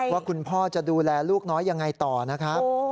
ว่าคุณพ่อจะดูแลลูกน้อยยังไงต่อนะครับ